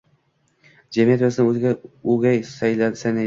Jamiyat bizni o‘ziga o‘gay sanaydi